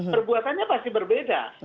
perbuatannya pasti berbeda